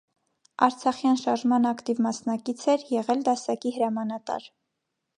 Արցախյան շարժման ակտիվ մասնակից էր, եղել դասակի հրամանատար։